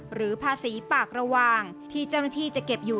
หรือภาษีปากระวางที่เจ้าหน้าที่จะเก็บอยู่